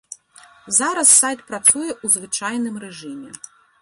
Зараз сайт працуе ў звычайным рэжыме.